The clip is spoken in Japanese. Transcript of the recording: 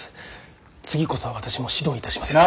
次こそは私も指導いたしますから。